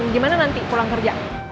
gimana nanti pulang kerja